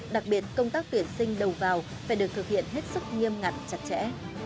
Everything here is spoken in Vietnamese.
đặc biệt công tác tuyển sinh đầu vào phải được thực hiện hết sức nghiêm ngặt chặt chẽ